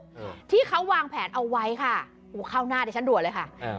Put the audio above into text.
เออที่เขาวางแผนเอาไว้ค่ะโอ้เข้าหน้าเดี๋ยวฉันด่วนเลยค่ะเออ